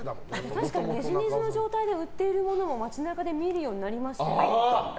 確かにねじねじの状態で売っているものを街中で見るようになりましたね。